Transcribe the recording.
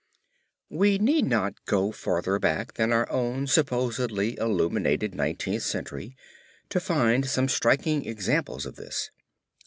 We need not go farther back than our own supposedly illuminated Nineteenth Century to find some striking examples of this.